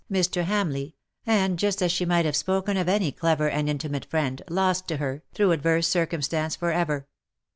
o 194 ^' AND PALE FROM THE PAST leigh/'' and just as she miglit have spoken of any clever and intimate friend, lost to her, through adverse circumstance, for ever.